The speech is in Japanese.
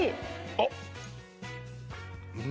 あっ！